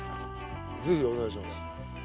ぜひお願いします。